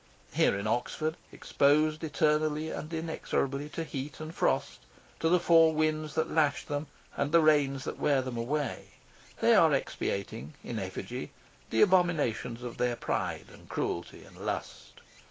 Here in Oxford, exposed eternally and inexorably to heat and frost, to the four winds that lash them and the rains that wear them away, they are expiating, in effigy, the abominations of their pride and cruelty and lust.